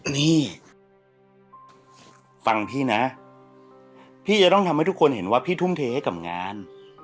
นี่ฟังพี่นะพี่จะต้องทำให้ทุกคนเห็นว่าพี่ทุ่มเทให้กับงาน